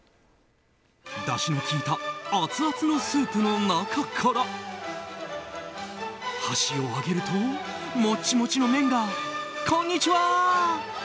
だしの効いたアツアツのスープの中から箸を上げるとモッチモチの麺がこんにちは！